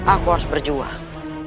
aku harus berjuang